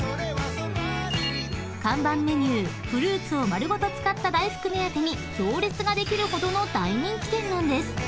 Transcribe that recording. ［看板メニューフルーツを丸ごと使った大福目当てに行列ができるほどの大人気店なんです］